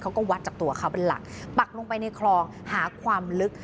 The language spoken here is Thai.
เขาก็วัดจากตัวเขาเป็นหลักปักลงไปในคลองหาความลึก